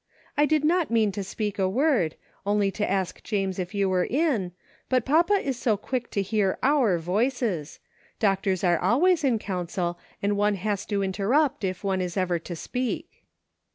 " I did not mean to speak a word, only to ask James if you were in, but papa is so quick to hear our voices ; doctors are always in council, and one has to in terrupt if one is ever to speak."